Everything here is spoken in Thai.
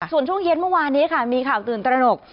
ส่วนช่วงเย็นเมื่อวานนี้ค่ะมีข่าวตื่นตระหนก